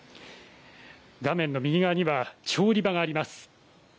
画面の右側には、調理場があります。